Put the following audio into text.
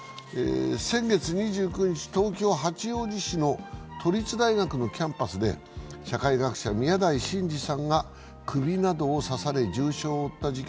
先月２９日、東京・八王子市の都立大学のキャンパスで社会学者・宮台真司さんが首などを刺され重傷を負った事件。